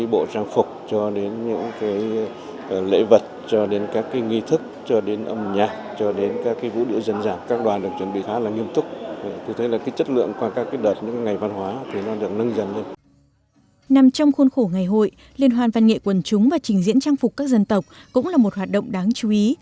nằm trong khuôn khổ ngày hội liên hoàn văn nghệ quần chúng và trình diễn trang phục các dân tộc cũng là một hoạt động đáng chú ý